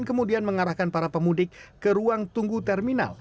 kemudian mengarahkan para pemudik ke ruang tunggu terminal